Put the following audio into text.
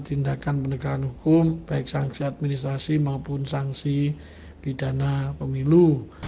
tindakan penegakan hukum baik sanksi administrasi maupun sanksi pidana pemilu